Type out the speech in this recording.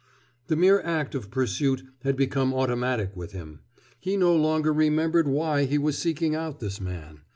The mere act of pursuit had become automatic with him. He no longer remembered why he was seeking out this man.